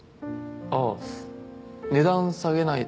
ああ値段下げない